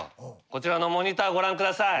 こちらのモニターご覧下さい。